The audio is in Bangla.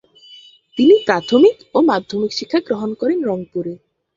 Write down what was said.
তিনি প্রাথমিক ও মাধ্যমিক শিক্ষা গ্রহণ করেন রংপুরে।